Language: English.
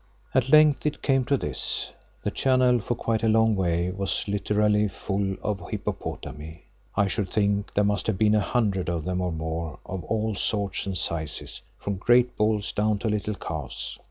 At length it came to this; the channel for quite a long way was literally full of hippopotami—I should think there must have been a hundred of them or more of all sorts and sizes, from great bulls down to little calves.